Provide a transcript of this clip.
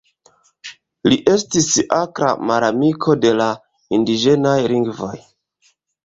Li estis akra malamiko de la indiĝenaj lingvoj.